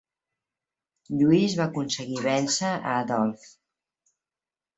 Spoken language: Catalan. Lluís va aconseguir vèncer a Adolf.